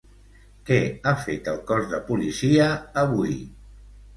Què ha fet el cos de policia avui?